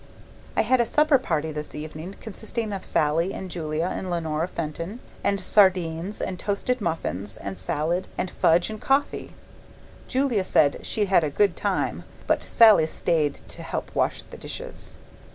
I had a supper party this evening consisting of Sallie and Julia and Leonora Fenton and sardines and toasted muffins and salad and fudge and coffee. Julia said she'd had a good time, but Sallie stayed to help wash the dishes.